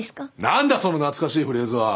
何だその懐かしいフレーズは！